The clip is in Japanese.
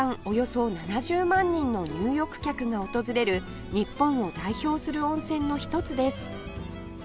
およそ７０万人の入浴客が訪れる日本を代表する温泉の一つです